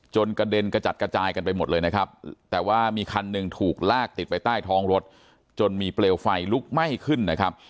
กระเด็นกระจัดกระจายกันไปหมดเลยนะครับแต่ว่ามีคันหนึ่งถูกลากติดไปใต้ท้องรถจนมีเปลวไฟลุกไหม้ขึ้นนะครับ